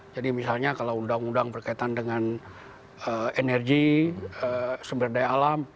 jadi misalnya kalau undang undang berkaitan dengan energi sumber daya alam